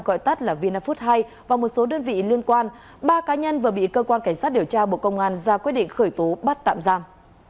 gọi tắt là vina food hai và một số đơn vị liên quan ba cá nhân vừa bị cơ quan cảnh sát điều tra bộ công an ra quyết định khởi tố bắt tạm giam